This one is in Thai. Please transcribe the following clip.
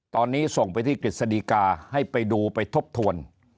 ตอนนี้ส่งไปที่กฤษฎีกาให้ไปดูไปทบทวน